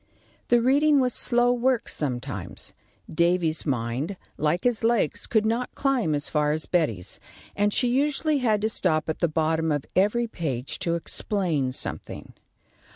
The reading was slow work sometimes. Davy's mind, like his legs, could not climb as far as Betty's, and she usually had to stop at the bottom of every page to explain something.